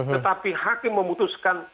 tetapi hakim memutuskan